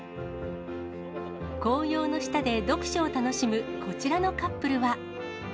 紅葉の下で読書を楽しむこちらのカップルは。